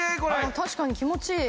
確かに気持ちいい。